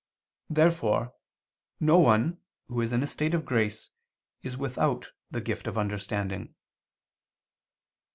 Therefore no one who is in a state of grace is without the gift of understanding.